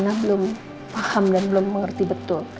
karena belum paham dan belum mengerti betul